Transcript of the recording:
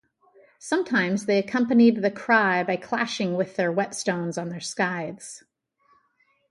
Sometimes they accompanied the cry by clashing with their whetstones on their scythes.